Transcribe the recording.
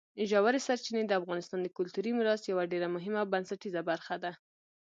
ژورې سرچینې د افغانستان د کلتوري میراث یوه ډېره مهمه او بنسټیزه برخه ده.